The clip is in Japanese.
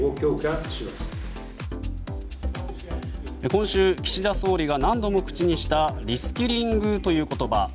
今週、岸田総理が何度も口にしたリスキリングという言葉。